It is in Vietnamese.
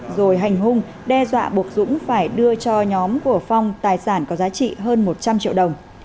rồi hành hung đe dọa buộc dũng phải đưa cho nhóm của phong tài sản có giá trị hơn một trăm linh triệu đồng